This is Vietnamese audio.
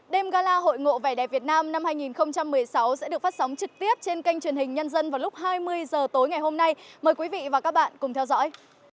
đêm gala hội ngộ vẻ đẹp việt nam năm hai nghìn một mươi sáu sẽ được phát sóng trực tiếp trên kênh truyền hình nhân dân vào lúc hai mươi h tối ngày hôm nay mời quý vị và các bạn cùng theo dõi